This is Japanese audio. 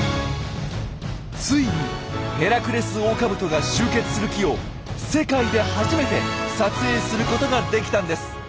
ついにヘラクレスオオカブトが集結する木を世界で初めて撮影することができたんです！